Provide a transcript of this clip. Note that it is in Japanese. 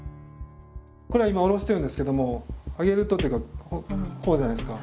これは今下ろしてるんですけども上げるとっていうかこうじゃないですか。